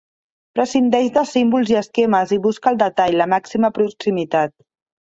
Prescindeix de símbols i esquemes i busca el detall, la màxima proximitat.